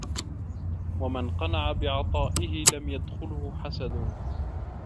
وَمَنْ قَنَعَ بِعَطَائِهِ لَمْ يَدْخُلْهُ حَسَدٌ